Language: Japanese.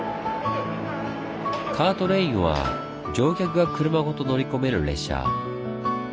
「カートレイン」は乗客が車ごと乗り込める列車。